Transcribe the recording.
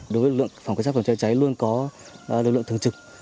đối với lực lượng phòng cháy chữa cháy luôn có lực lượng thường trực